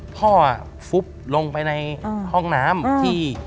ฟุบลงไปในห้องน้ำที่